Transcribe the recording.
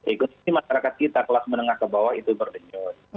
ekonomi masyarakat kita kelas menengah ke bawah itu berdenyut